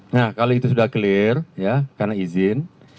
nah kalau itu sudah clear ya karena izin